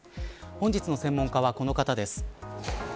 本日の専門家はこの方です。